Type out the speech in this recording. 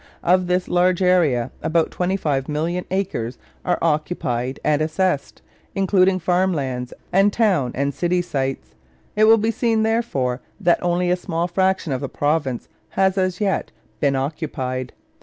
Of this large area about 25,000,000 acres are occupied and assessed, including farm lands and town and city sites. It will be seen, therefore, that only a small fraction of the province has, as yet, been occupied.